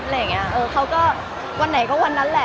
มันเป็นเรื่องน่ารักที่เวลาเจอกันเราต้องแซวอะไรอย่างเงี้ย